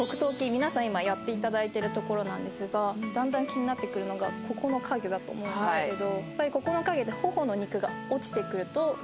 皆さん今やっていただいてる所ですがだんだん気になってくるのがここの影だと思うんですけどここの影って。